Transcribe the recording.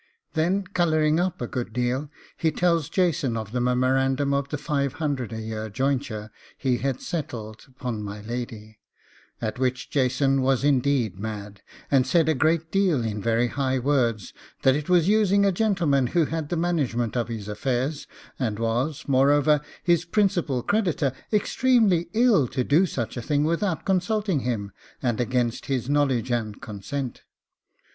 Then colouring up a good deal, he tells Jason of the memorandum of the five hundred a year jointure he had settled upon my lady; at which Jason was indeed mad, and said a great deal in very high words, that it was using a gentleman who had the management of his affairs, and was, moreover, his principal creditor, extremely ill to do such a thing without consulting him, and against his knowledge and consent.